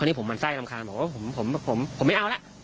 อันนี้ผมมันไส้รำคาญบอกว่าผมไม่เอาแล้ว